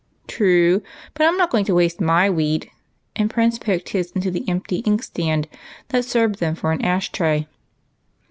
" True ; but I 'm not going to waste my weed," and Prince poked his into the empty inkstand that served them for an ash tray.